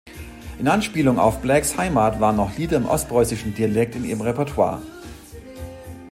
In Anspielung auf Blacks Heimat waren auch Lieder im ostpreußischen Dialekt in ihrem Repertoire.